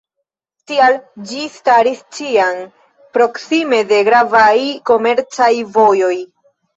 Tial ĝi staris ĉiam proksime de gravaj komercaj vojoj.